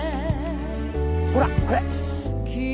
ほらこれ。